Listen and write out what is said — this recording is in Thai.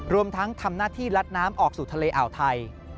รวมทั้งทำหน้าที่ลัดน้ำออกสู่ทะเลอ่าวไทย